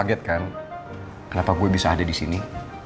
lo kaget kan kenapa gue bisa ada disini